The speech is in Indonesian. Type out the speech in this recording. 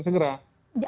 kita bisa putuskan segera